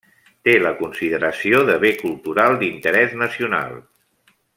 Té la consideració de Bé Cultural d'Interès Nacional.